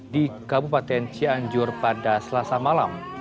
di kabupaten cianjur pada selasa malam